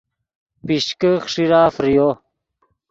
پیشکے خیݰیرہ فریو